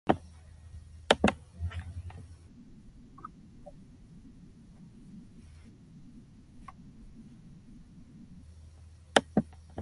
내 아들아 나의 법을 잊어버리지 말고 네 마음으로 나의 명령을 지키라